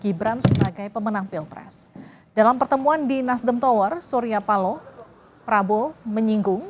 gibran sebagai pemenang pilpres dalam pertemuan di nasdem tower surya paloh prabowo menyinggung